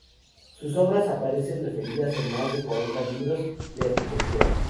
Sus obras aparecen referidas en más de cuarenta libros de arquitectura.